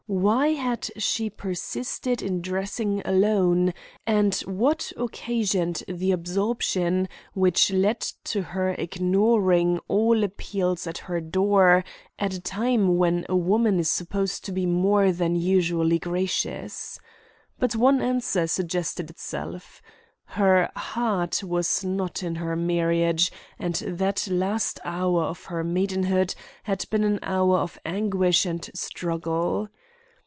Why had she persisted in dressing alone, and what occasioned the absorption which led to her ignoring all appeals at her door at a time when a woman is supposed to be more than usually gracious? But one answer suggested itself. Her heart was not in her marriage, and that last hour of her maidenhood had been an hour of anguish and struggle.